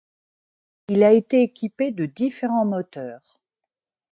Il a été équipé de différents moteurs.